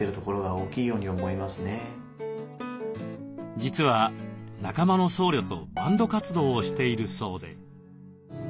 実は仲間の僧侶とバンド活動をしているそうで。